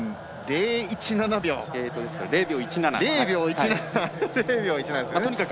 ０秒１７秒。